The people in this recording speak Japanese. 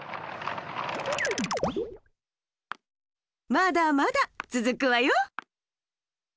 まだまだつづくわよ。